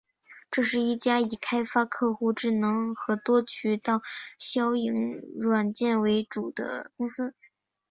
这是一家以开发客户智能和多渠道营销软件为主的公司。